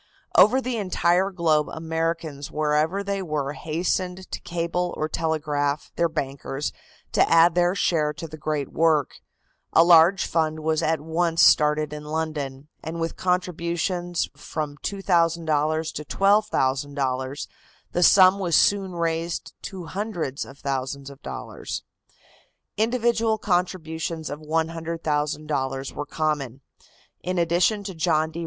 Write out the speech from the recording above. Over the entire globe Americans wherever they were hastened to cable or telegraph their bankers to add their share to the great work. A large fund was at once started in London, and with contributions of from $2,000 to $12,000 the sum was soon raised to hundreds of thousands of dollars. Individual contributions of $100,000 were common. In addition to John D.